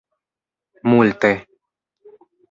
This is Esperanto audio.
multe